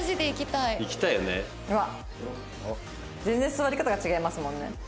全然座り方が違いますもんね。